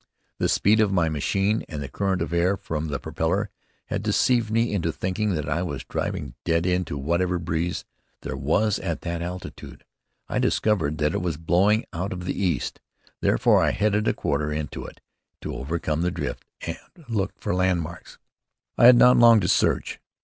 The speed of my machine and the current of air from the propeller had deceived me into thinking that I was driving dead into whatever breeze there was at that altitude. I discovered that it was blowing out of the east, therefore I headed a quarter into it, to overcome the drift, and looked for landmarks. I had not long to search.